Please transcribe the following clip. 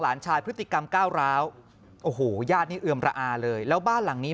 หลานชายพฤติกรรมก้าวร้าวโอ้โหญาตินี่เอือมระอาเลยแล้วบ้านหลังนี้